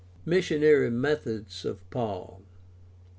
Missionary methods of Paul.